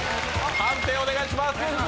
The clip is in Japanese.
判定をお願いします